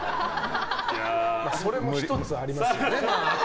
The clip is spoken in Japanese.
それも１つありますよね。